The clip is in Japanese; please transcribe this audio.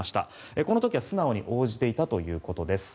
この時は素直に応じていたということです。